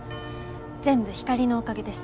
全部光のおかげです。